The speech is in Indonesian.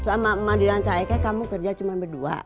saat emak emak bilang kak eka kamu kerja cuma berdua